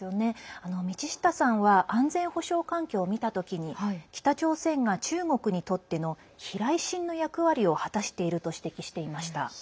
道下さんは安全保障環境を見たときに北朝鮮が中国にとっての避雷針の役割を果たしていると指摘していました。